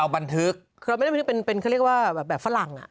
คือเราไม่ได้บันทึกเป็นเขาเรียกว่าแบบฝรั่ง